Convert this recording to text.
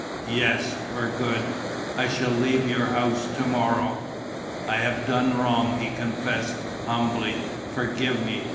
"Yes, for good. I shall leave your house to morrow." "I have done wrong," he confessed, humbly. "Forgive me.